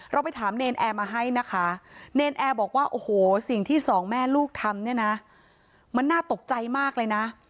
เราไปถามเนรนแอร์มาให้นะคะเนรนแอร์บอกว่าโอ้โหสิ่งที่สองแม่ลูกทำเนี่ยนะมันน่าตกใจมากเลยนะ